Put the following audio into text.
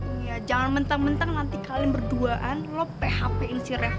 iya jangan menteng menteng nanti kalian berduaan lu php in si reva